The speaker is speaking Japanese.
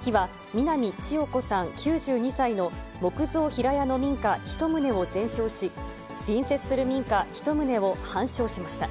火は南千代子さん９２歳の木造平屋の民家１棟を全焼し、隣接する民家１棟を半焼しました。